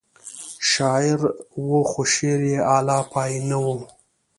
شاعر و خو شعر یې اعلی پای نه و.